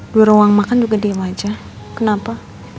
dua ruang makan juga diem aja kenapa